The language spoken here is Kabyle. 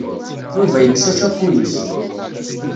Yuba yekkes ačapun-is.